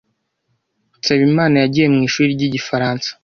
Nsabimana yagiye mu ishuri ry’igifaransa.